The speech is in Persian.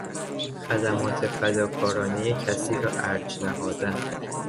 خدمات فداکارانهی کسی را ارج نهادن